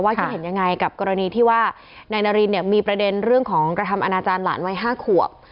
คิดเห็นยังไงกับกรณีที่ว่านายนารินเนี่ยมีประเด็นเรื่องของกระทำอนาจารย์หลานวัย๕ขวบ